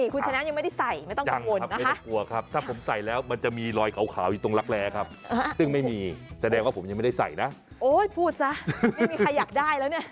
คุณชะนั้นยังไม่ได้ใส่ไม่ต้องก่อนนะคะ